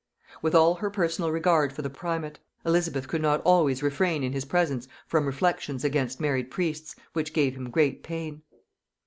With all her personal regard for the primate, Elizabeth could not always refrain in his presence from reflections against married priests, which gave him great pain.